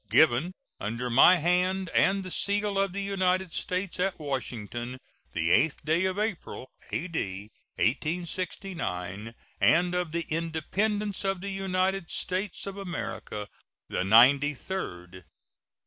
Given under my hand and the seal of the United States, at Washington, the 8th day of April, A.D. 1869, and of the Independence of the United States of America the ninety third.